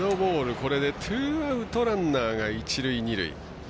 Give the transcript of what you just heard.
これでツーアウトランナー、一塁二塁。